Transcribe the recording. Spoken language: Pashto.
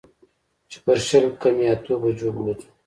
چې پر شل کمې اتو بجو به وځو.